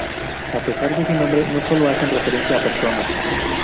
A pesar de su nombre, no solo hacen referencia a personas.